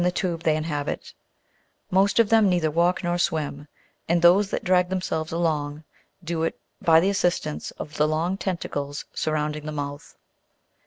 89 tube they inhabit ; most of them neither walk nor swim, and those that drag them selves along, do it by the assistance of the long tentacles surrounding the mouth.